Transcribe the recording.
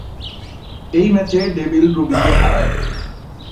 এই ম্যাচে Devil Ruby কে হারায়।